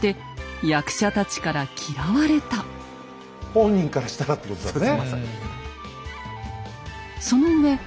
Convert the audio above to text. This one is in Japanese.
本人からしたらってことだね。